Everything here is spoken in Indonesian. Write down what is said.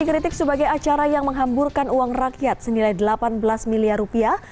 dikritik sebagai acara yang menghamburkan uang rakyat senilai delapan belas miliar rupiah